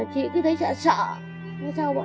khiến chúng tôi không khỏi đau buồn